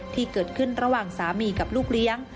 ที่เกิดขึ้นระหว่างสามีกับลูกเลี้ยง